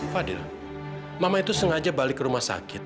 fadil mama itu sengaja balik ke rumah sakit